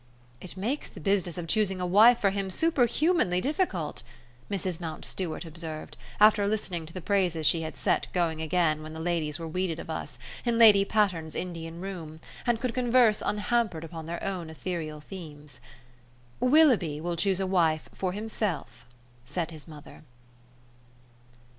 "It makes the business of choosing a wife for him superhumanly difficult!" Mrs. Mountstuart observed, after listening to the praises she had set going again when the ladies were weeded of us, in Lady Patterne's Indian room, and could converse unhampered upon their own ethereal themes. "Willoughby will choose a wife for himself," said his mother.